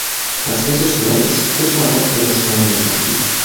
Als Regisseur ist Fisher auch für das Fernsehen aktiv.